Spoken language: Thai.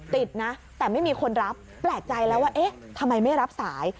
ติดนะแต่ไม่มีคนรับแปลกใจแล้วว่าเอ๊ะทำไมไม่รับสาย